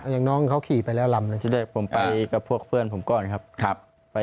อย่างน้องเขาขี่ไปแล้วลำเลยที่แรกผมไปกับพวกเพื่อนผมก่อนครับ